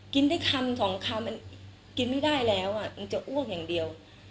กินได้คำ๒คำอันนั้นกินไม่ได้แล้วอันนั้นจะอ้วกอย่างเดียว